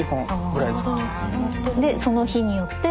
でその日によって。